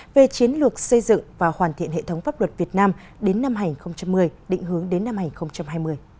về chiến lược xây dựng và hoàn thiện hệ thống pháp luật việt nam đến năm hành một mươi định hướng đến năm hành hai mươi